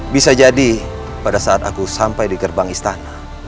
bisa jadi pada saat aku sampai di gerbang istana